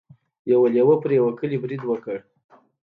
یو لیوه په یوه کلي برید وکړ.